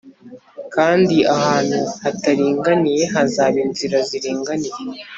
kandi ahantu hataringaniye hazaba inzira ziringaniye